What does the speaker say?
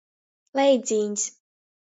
Leidzīņs.